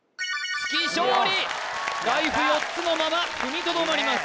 「月」勝利ライフ４つのまま踏みとどまります